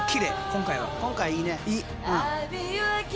今回はいいね。